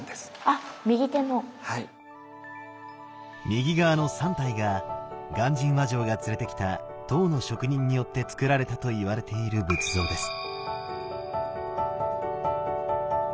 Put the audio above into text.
右側の３体が鑑真和上が連れてきた唐の職人によってつくられたといわれている仏像です。